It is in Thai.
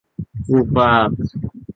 วูบวาบ